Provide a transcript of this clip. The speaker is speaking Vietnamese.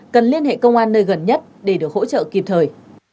cần liên hệ công an nơi gần nhất để được hỗ trợ kịp thời